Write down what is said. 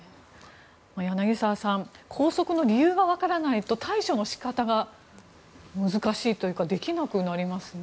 柳澤さん拘束の理由が分からないと対処の仕方が難しいというかできなくなりますね。